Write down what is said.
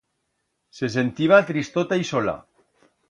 Se sentiba tristota y sola.